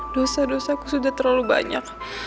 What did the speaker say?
dosa dosa aku sudah terlalu banyak